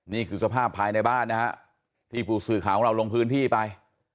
นี่คือสภาพภายในบ้านนะฮะที่ผู้สื่อข่าวของเราลงพื้นที่ไป